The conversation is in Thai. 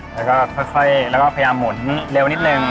แล้วก็ค่อยแล้วก็พยายามหมุนเร็วนิดนึง